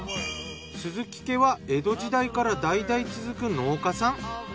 鈴木家は江戸時代から代々続く農家さん。